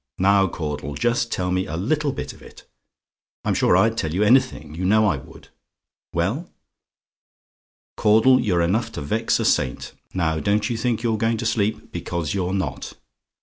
Now, Caudle, just tell me a little bit of it. I'm sure I'd tell you anything. You know I would. Well? "Caudle, you're enough to vex a saint! Now don't you think you're going to sleep; because you're not.